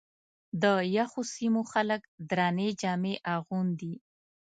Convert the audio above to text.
د یخو سیمو خلک درنې جامې اغوندي.